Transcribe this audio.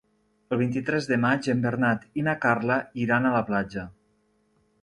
El vint-i-tres de maig en Bernat i na Carla iran a la platja.